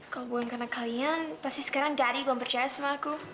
kalau bukan karena kalian pasti sekarang dari belum percaya sama aku